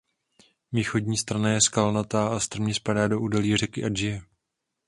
Východní strana je skalnatá a strmě spadá do údolí řeky Adiže.